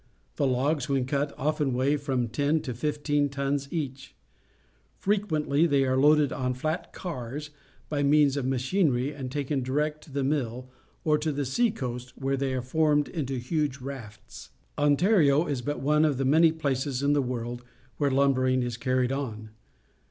The logs, when cut, often weigh from ten to fifteen tons each. Frequently they are loaded on flat cars by means of macliinerj' and taken direct to the mill, or to the sea coast, where they are formed into huge rafts. Ontario is but one of the many places in the world where lumbering is carried on.